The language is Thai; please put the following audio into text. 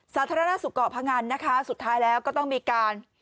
สันทรณสุขก่อพระงันสุดท้ายแล้วก็ต้องมีการ